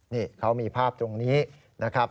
นี่เขามีภาพตรงนี้นะครับ